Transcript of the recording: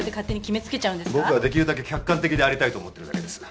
僕はできるだけ客観的でありたいと思ってるだけです。